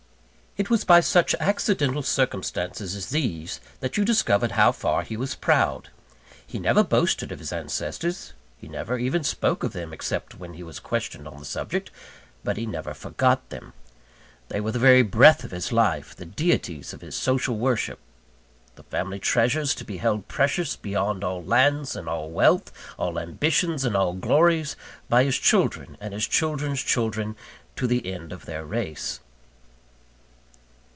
It was by such accidental circumstances as these that you discovered how far he was proud. He never boasted of his ancestors; he never even spoke of them, except when he was questioned on the subject; but he never forgot them. They were the very breath of his life; the deities of his social worship: the family treasures to be held precious beyond all lands and all wealth, all ambitions and all glories, by his children and his children's children to the end of their race.